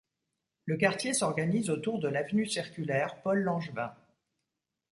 Le quartier s'organise autour de l'avenue circulaire Paul Langevin.